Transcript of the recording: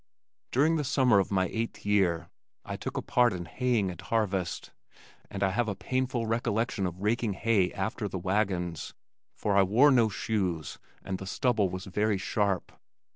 During the summer of my eighth year, I took a part in haying and harvest, and I have a painful recollection of raking hay after the wagons, for I wore no shoes and the stubble was very sharp.